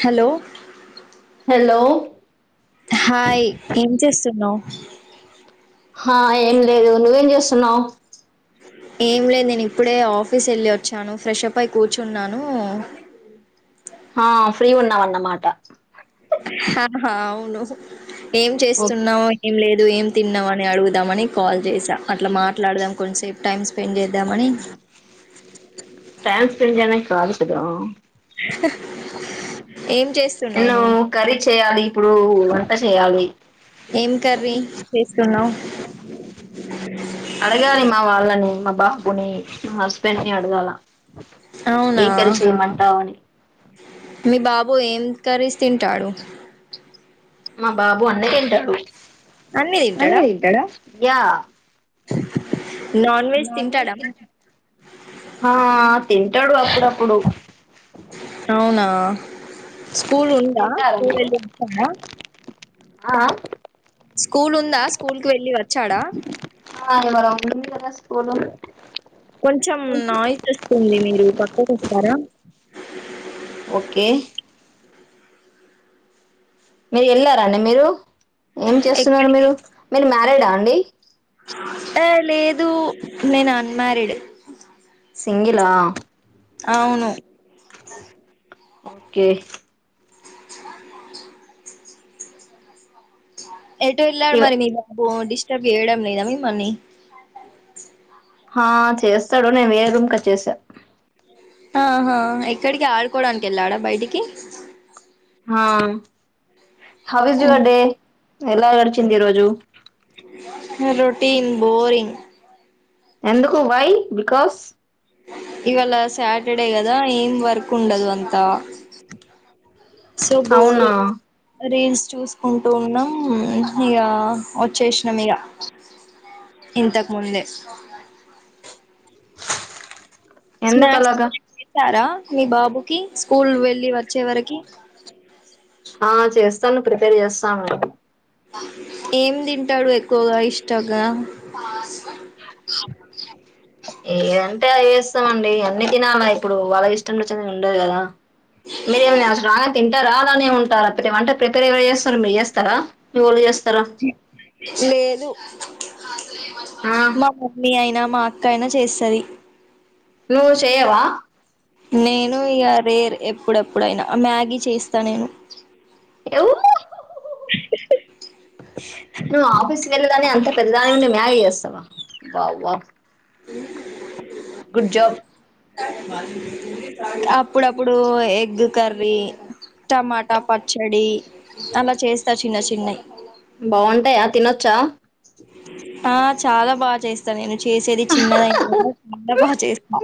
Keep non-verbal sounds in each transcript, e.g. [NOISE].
Hello hello hi ఏం చేస్తున్నావ్ హాఁ ఏం లేదు. నువ్వేం చేస్తున్నావ్ ఏం లేదు నేను ఇప్పుడే ఆఫీస్ ఎళ్ళి వచ్చాను ఫ్రెషప్పై కూర్చున్నాను. అ ఆ ఫ్రీ ఉన్నావన్నమాట ఆఁ హాఁ అవును ఏం చేస్తున్నావు ఏం లేదు ఏం తిన్నావని అడుగుదామని కాల్ చేస అట్లా మాట్లాడదాం కొంచ్సేపు టైమ్ స్పెండ్ చేద్దామని ఫ్యాన్స్ స్పెండ్ చేయడానికి కాదు కదా! ఏం చేస్తున్నావు నెను నువ్వు కర్రీ చేయాలి ఇప్పుడు వంట చేయాలి ఏం కర్రీ చేస్తున్నావు అడగాలి మా వాళ్ళని, మా బాబుని, మా హస్బెండ్ ని అడగాల అవునా ఏం కర్రీ చేయమంటావని మీ బాబు ఏం కర్రీస్ తింటాడు? మా బాబు అన్ని తింటాడు. అన్నీ తింటడా! యా నాన్ వెజ్ తింటాడా మరి? హా తిం టడు అప్పుడుప్పుడు. అవునా స్కూల్ ఉందా, స్కూల్ వెళ్ళొచ్చాడా అ ఆఁ స్కూల్ ఉందా స్కూల్కి వెళ్ళి వచ్చాడా? ఉంది కదా స్కూలు కొంచెం నాయిస్ వస్తుంది మీరు పక్కకు వస్తారా. ఓకే మీరు వెళ్లరా అండి మీరు ఏం చేస్తున్నారు ఎక్కడి మీరు మీరు మ్యారీడా అండి? ఏ లేదు నేను అన్మారీడ్. సింగిలా అవును ఓకే. ఎటు వెళ్ళాడు ఇవ మరి మీ బాబు డిస్టర్బ్ చేయడం లేదా మిమ్మల్ని. ఆ చేస్తాడు నేను వేరే రూమ్ కొచ్చేశా. ఆ హాఁ ఎక్కడికి ఆడుకోవడానికి వెళ్ళాడా బయటికి. హాం how is um. Your day? ఎలా గడిచింది ఈ రోజు? రొటీన్ బోరింగ్ ఎందుకు వై బికాస్ ఇవాళ సాటర్డే కదా ఏం వర్క్ ఉండదు అంతా. సో బోర్ అవునా రీల్స్ చూసుకుంటు ఉన్నాం ఇగా వచ్చేసినం ఇగ ఇంతకు ముందే ఎందుకు స్నాక్స్ అలాగా ఏమన్నా చేశారా మీ బాబుకి స్కూల్ వెళ్ళి వచ్చే వరకి. ఆ చేస్తాను ప్రిపేర్ చేస్తాను కదా. ఏం తింటాడు ఎక్కువగా ఇష్టగా ఏదంటే అది చేస్తామండి అన్ని తినాలా ఇప్పుడు వాళ్ళ ఇష్టం వచ్చింది ఉండదు కదా. మీరేమన్నా [UNINTELLIGIBLE] తిం ట రాగానే ఉంటా అంటే ప్రిపేర్ ఎవరు చేస్తరు, మీరు చేస్తారా మీవోళ్ళు చేస్ లేదు ఆ మా మమ్మీ అయినా మా అక్క అయినా చేస్తాది నువు చేయవా నేను ఇక రేర్ ఎప్పుడెప్పుడయినా మ్యాగీ చేస్తా నేను ఆఫిస్ వెళదా అం పె దానివి అయ్యి ఉండి మ్యాగీ చేస్తావా వావ్ వావ్ అ గుడ్ జాబ్ అప్పుడప్పుడు ఎగ్ కర్రీ టమాటా పచ్చడి అలా చేస్తా చిన్న చిన్నవి బాగుంటాయా తినొచ్చా ఆ చాలా బా చేస్తా నేను చేసేది చిన్నవి అయినా బగా చేస్తా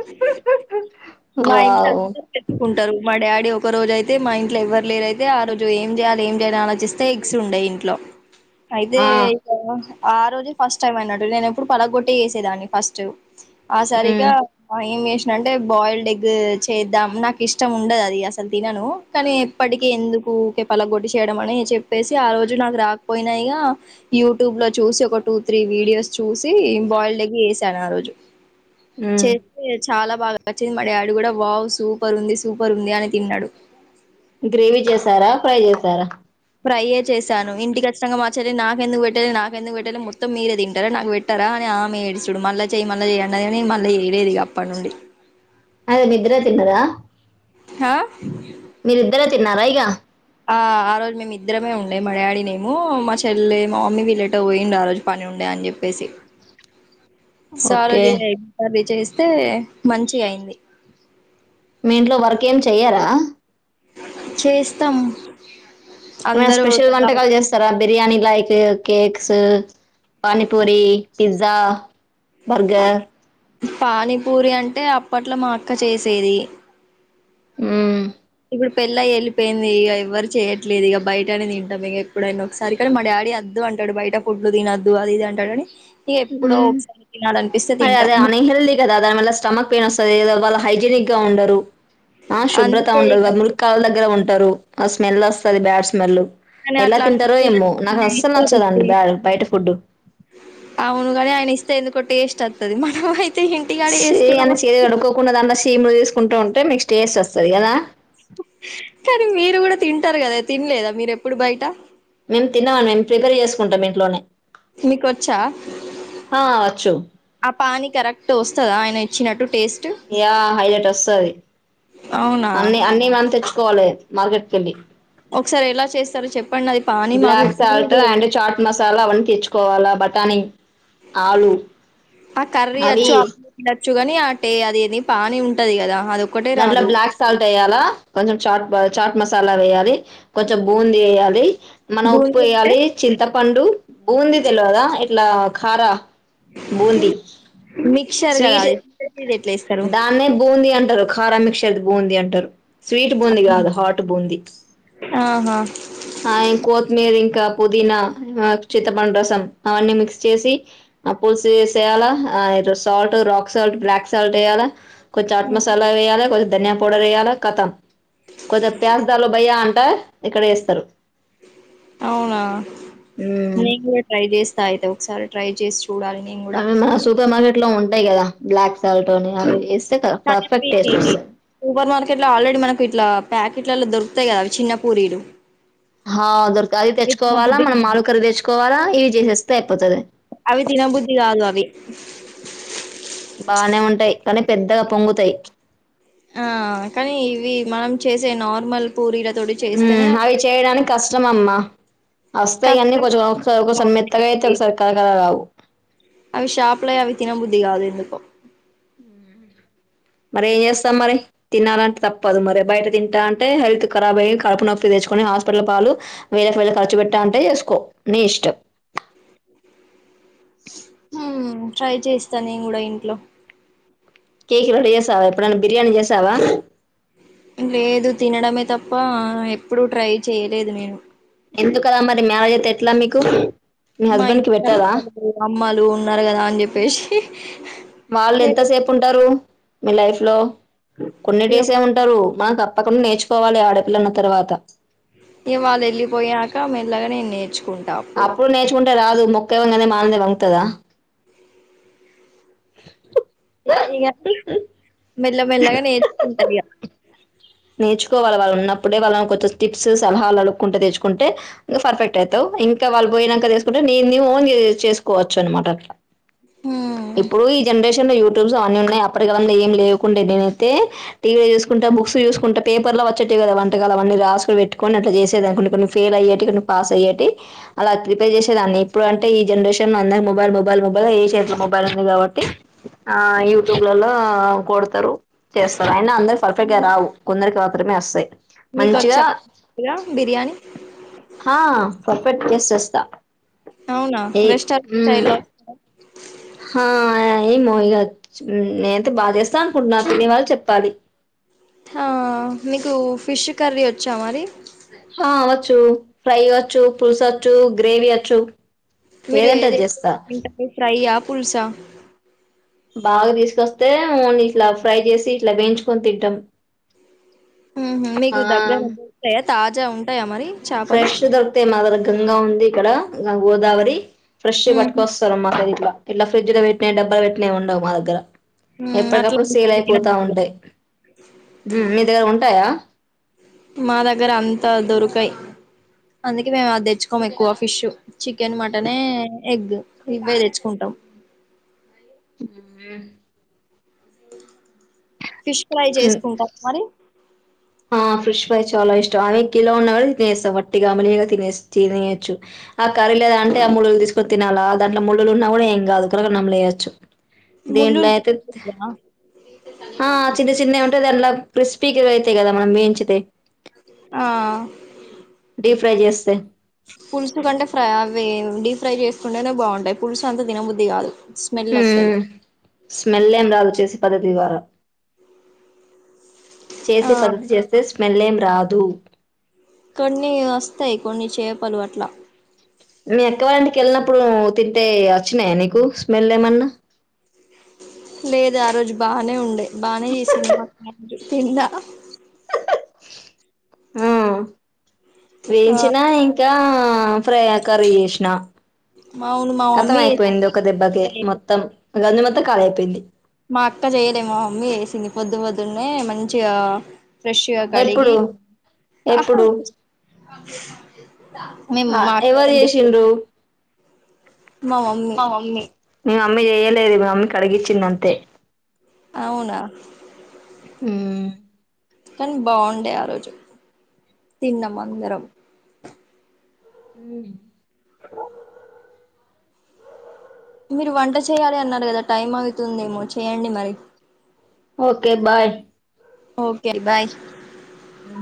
మా ఇంట్లో వావ్ అద్ద తెచ్చుకుంటారు మా డాడీ ఒక్క రోజు అయితే మా ఇంట్లో ఎవ్వరు లేరు అయితే ఆ రోజు ఏం చేయాలి ఏం చేయాలి ఆలోచిస్తే ఎగ్స్ ఉండేయి ఇంట్లో అయితే ఆ ఇగ ఆ రోజే ఫస్ట్ టైం అయినట్డు నేను ఎప్పుడు పలాగొట్టే చేసేదాన్ని ఫస్ట్ ఆ సారీగా ఉమ్ అంటే బాయిల్డ్ ఎగ్ చేద్దాం నాకు ఇష్టం ఉండదు అది అసలు తినను కానీ ఎప్పటికీ ఎందుకు కూకే పలగొడ్డి చేయడం అని చెప్పేసి ఆ రోజు నాకు రాకపోయినాయిగా యూట్యూబ్ లో చూసి ఒక టూ త్రీ వీడియోస్ చూసి బౌల్డ్ ఎగ్ చేసా ఆ రోజు ఉమ్ చేస్తే చాలా బాగా వచ్చంది మా డాడీ కూడా వావ్ సూపర్ ఉంది సూపర్ ఉంది అని తిన్నాడు గ్రేవీ చేసారా ఫ్రై చేసారా సరే నాకెందుకు పెట్టాలి నాకెందుకు పెట్టాలి మొత్తం మీరే తింటా నాకు పెట్టారా అ ఆమె ఏడుచడు మల్ల చేయ మళా చేయి అని అదని మళ్ళీ వేయలేదు అప్పటి నుండి అదే నిద్ర తిన్నదా హా మీరిద్దరే తిన్నారా ఇగ ఆ ఆ రోజు మేము ఇద్దరమే ఉండే మడియాడి నేమ మా చెల్లే మా మమ్మీ వీలేటో పోయిండడి ఆ రోజు పని ఉండే అని చెప్పి [INAUDIBLE] ఓకే అయితే మంచిగా అయింది మీ ఇంట్లో వర్క్ ఏమి చెయ్యారా చేస్తాము ఏమైనా స్పెషల్ వంటకాలు చేస్తారా బిర్యానీ లా cakes panipuri pizza burger panipuri అంటే అప్పట్లో మా అక్క చేసేది హ్మ్ ఇవత్ పెళ్లి అయి వెళ్ళిపోయింది ఇక ఎవరు చేయట్లేదు ఇక బయటనే తింటాం ఇక ఎప్పుడైనా ఒకసారి కానీ మా డాడీ అద్దు అంట అంటాడు బయట ఫుడ్లు తినొద్దు అది ఇది అంటడు అని మ్మ్ అరే అదే అన హెల్ది కదా అద ఆ స్టమక్ పైయిన్ వస్తుంది హైజీనిక్ గా ఉండరు ఆ శుభ్రత అందుకే ఉండరు ఇగ ముృళ్ల దగ్గర ఉండ ఉండరు ఆ స్మెల్ వస్తుంది బ్యాడ్ స్మెల్ కానీ ఎలా అట్లా తింటారో అనిపిస్తది ఏమో కానీ నాకు ఆయన అసలు ఇస్తే రుచి నచ్చదండి బ్యా బయట ఫుడ్డు అవునుగాని ఆయన ఇస్తే ఎందుకో టేస్ట్ వాతది మన సి అని చై కడుకోకుండా దాంట్లో సీములు తీసుకుంట ఉంటే మీకు టేస్ట్ వస్తది కదా కానీ మీరు గూడా తింటారు కదా తినలేదా మీరు ఎప్పుడు బయట మేము తిన్నామ్ మేము ప్రిపేర్ చేసుకుంటాం ఇంట్లోనే మీక వచ్చా హా వచ్చు ఆ పానీ కరెక్ట్ వస్తందా ఆయ చినట్టు టేస్ట్ యా హైలైట్ వస్తది అవునా అన్ని అన్నీ మంతె కోవాలె మార్కెట్ కెళ్ళి ఒకసారి ఎలా చేస్తారో చెప్ black salt and chaat masala అవన్నీ తెచ్చుకోవాల బటానీ ఆ కర్రీ అవి వచ్చు ఆ వచ్చు గాని ఆ టే అది ఏది పానీ ఉంటది గదా దాంట్ల బ్లాక్ సాల్ట్ ఎయ్యలే కొంచెం చాట్ చాట్ మసాలా వేయాలి కొంచెం బూంది ఏయాలి మన ఉప్పు బూందీ అంటే వేయాలి చింతపండు బూంది తెలవదా ఇట్లా కారా బూంది, మిక్చర్ కదా స్వీట్ అది ఇది ఎట్లా ఏస్తారు దాన్నే బూంది అంటారు కఖా మిక్క్షర్ది బూందీ అంటారు స్వీట్ బూంది కాదు హాట్ బూంది ఆహా హాయ్ కొత్మీర్ ఇంకా పుదీనా చిత్తపండు రసం అవన్నీ మిక్స్ చేసి ఆ పుల్స్ చేసేయాలా salt rock salt black salt ఏయాల కొం చాట్ హ్మ్. మసాలా వేయాల కొ ధనియా పౌడర్ ఏయాల కతం కొచం ప్యాస్ దాలో బయ్యా అంట ఇక్కడ ఏస్తరు అవునా మ్మ్. నేను కూడా ట్రై చేస్తా అయితే ఒకసారి ట్రై చు అ మన సూపర్ మార్కెట్ లో ఉంటాయి కదా బ్లాక్ సాల్ట్ అని అవి ఏస్ [UNINTELLIGIBLE] కెట్ల ఆల్రెడీ మనకు ఇట్లా ప్యాకెట్లల దొరుకుతాయి కదా అవి చిన్న పూరీలు హా దొరక అది అవి తెచ్చుకోవాలా తినబుద్ధి మనం కాదు ఆలు కర్ర తెచ్చుకోవాలా ఇవి చేసేస్తే అయిపోతది అవి తిన బుద్ధి కాదు అవి బానే ఉంటాయ్ కానీ పెద్దగా పొంగుతయ్ ఆ కానీ ఇవి మనం చేసే నార్మల్ పూరీ హ్మ్ అవి చేయడానికి కష్టం అమ్మ వస్తాయి కానీ కష్టం కొంచెం ఒకొ ఒకొ స కొంచం మెత్తగా అయితే బాగుంటాయి. ఒక కరకర రావు అవి షాప్ల అవి తినబుద్ది కాదు ఎందుకో మరి ఏం చేస్తాం మరి తినాలంటే తప్పదు మరి బయట తింటా అంటే హెల్త్ ఖరాబ్ అయ్ కడుపు నొప్పి తెచ్చుకని హాస్పిటల్ పాలు వేళ్ళ కి వేళ్ళు ఖర్చు పెట్ట అంటే చేస్కో నీ ఇష్టం హ్మ్ ట్రై చేస్తా నేను గూడ ఇంట్లో కేక్ రెడీ చేసావా ఎప్పుడైన్నా బిర్యానీ చేసావా లేదు తినడమే తప్పా ఎప్పుడు ట్రై చేయలేదు నేను ఎందుకలా మరి మ్యారేజ్ అయితే ఎట్లా మీకు మీ మా హస్బెండ్ కి ఇద్దరు పెట్టారా అక్కలు అమ్మలు ఉన్నారు కదా అని చెప్పేసి వాళ్ళు ఎంత నేను సేపు ఉంటారు మీ లైఫ్ లో కొన్ని ఇగ డేసే ఉంటరు మనకు త ప్పకుండా నేర్చుకోవాలి ఆడపిల్ల అన్న తర్వాత ఇగ వాళ్లు వెళ్ళిపోయాక మెల్లగా నేన్ నేర్చుకుంటా అప్పుడు [UNINTELLIGIBLE] దు మొక్కై వంగనిదే మానైవంగుతదా ఇగ మెల్లమెల్లగా నేర్చుకుంట ఇగ నేర్చుకోవాలి వాళ్ళు ఉన్నప్పుడే వాళ్ళను కొంచెం స్టిప్స్ సలహాలు అడుక్కుంటా తెచ్చుకుంటే నువ్వు పర్ఫెక్ట్ ఐతావ్. ఇంకా వాళ్ళు బోయినాంక చేసుకుంటే నీది నీవు ఓన్ గా చేసుకోవచ్చు అనమాట అట్లా హ్మ్ ఇప్పుడు ఈ జనరేషన్ లో యూ ట్యూబ్స్ అవన్నీ ఉన్నాయి అప్పటికీ అవన్నీ ఏం లేకుండే నేనైతే టీవీ చూసుకుంటా బుక్స్ చూస్ కుంట పేపర్లో వచ్చేటివి కదా వంటకాలు అవన్నీ రాసుకుని పెట్టుకొని అట్ల చేసేది కొన్ని కొన్ని ఫేయిల్ అయ్యేటి కొన్ని పాస్ అయ్యేటి. అలా ప్రిపేర్ చేసేదాన్ని ఇప్పుడు అంటే ఈ జనరేషన్ లో అందరు మొబైల్ మొబైల్ మొబైల్ ఏషైత్ లో మొబైల్ ఉంది కాబట్టి, ఆ యూట్యూబ్లలో కొడుతారు చేస్సరు అయినా అందరువి పర్ఫెక్ట్ గా రావు కొందరికి మాత్రమే వస్సాయ్ మంచిగా నీకొచ్చా ఇగ బిర్యానీ హా పర్ఫెక్ట్ చేసేస్తా అవునా రెస్టారెట్ స్టైలో హ ఏ మోయిగాచ్చు నేనైతే బాగా చేస్తాను అనుకుంటున్నా తినేవాళ్ళు చెప్పాలి హ మీకు ఫిష్ కర్రీ వచ్చా మరి హ వచ్చు ఫ్రై వచ్చు పులుసు వచ్చు గ్రేవీ వచ్చు మీరు ఏదంటే ఏది అది చేస్తా ఎక్కువగా తింటారు ఫ్రై ఆ పుల్సా బాగా తీసుకొస్తే నూన్ ఇట్లా ఫ్రై చేసి ఇట్లా వేయించుకొని తింటాం హుం మీకు ఆ దగ్గర ఉంటాయా తాజా ఉంటాయా మరి చేపలు ఫ్రెష్ దొరికుతాయి మా దర గంగా ఉంది ఇక్కడ గోదావరి ఫ్రెష్ ఉహు పటుకొస్తారు మాత్త గిట్లా ఇట్ల ఫ్రిడ్జ్ లో పెట్నాయ్ డబ్బల పెట్టినయ్ ఉండవు మా దగ్గర హుమ్ అట్లా ఎప్పటికప్పుడు సేల్ అయిపోతా ఉంటాయి [UNINTELLIGIBLE] మీ దగ్గర ఉంటాయా మా దగ్గర అంతా దొరుకయ్ అందుకే మేము అది తెచ్చుకోము ఎక్కువ ఫిష్ చికెన్ మటన్ ఏ ఎగ్ ఇవ్వే తెచ్చుకుంటాం మ్ ఫిష్ ఫ్రై చేసుకుంటా మరి హ ఫ్ర్రిష్ ఫ్రేయ్ చాలా ఇష్ ఆవి కిలో ఉన్న కూడా తినేస్తాం వట్టిగ అవాలిలాగా తినేయోచ్చు ఆ కర్ర లేదా అంటే ఆ మళ్ళులు తీస్ తీసుకని తినాలా దాంట్ల ముళ్ళలు ఉన్నా కూడా ఏం కాదు కరకర నమీలేయోచ్చు దింట్లో ముళ్ళులు అయితే తినకూడదా ఆ చిన్న చిన్నవి ఉంటాయి దాంట్ల క్రిస్పీకి అయితయి కదా మనం వేయించితే ఆ ప్ర్రై చేస్తే పులుసు కంటే ఫ్రై అవి డీప్ ఫ్రై చేసుకుంటేనే బాగుంటాయి పులుసు అంత తినబుద్ది కాదు స్మెల్ హ వత్తది స్మెల్ ఎం రాదు చేసే పద్ధతి ద్వారా ఆ చేసే పద్ధతి చేస్తే స్మెల్ ఏం రాదు కొన్ని వస్తాయి కొన్ని చేపలు అట్లా మీ అక్క వాళ్ళింటికి వెళ్ళినప్పుడు తింటే వచ్చినాయా నీకు స్మెల్ ఏమన్నా లేదు ఆ రోజు బానే ఉండే బాగానే చేసింది మా అక్క తిన్న ఆ ఆ వేయించినా ఇంకా ఆ ఫ్రై కర్రి చేశిన అవును మా కతం మమ్మీ అయిపోయింది ఒక దెబ్బకే చేసింది, మొత్తం గంజ్ మొత్తం ఖాళీ అయిపోయింది మా అక్క చేయలేమ మమ్మీ చెసింది పొద్దు పొద్దున్నే మంచిగా ఫ్రెష్గా ఎప్పుడు కడిగి అహ ఎప్పుడు మీమ్ మా అక్క ఎవరు వాళ్ళింటిక్ చేసిండ్రు మా మమ్మీ మీే మమ్మీ చెయలేదు మీ మమ్మీ కడిగించింది అంతే అవునా కానీ బాగుండే ఆ రోజు తిన్నం అందరం హుమ్ మీరు వంట చేయాలి అన్నారు కదా టైం అవుతుందేమో చేయండి మరి ఓకే బాయ్ ఓకే బాయ్ ఆ